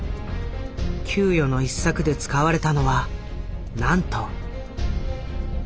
窮余の一策で使われたのはなんと。